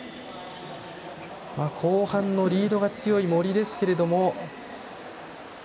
後半のリードが強い森ですけども。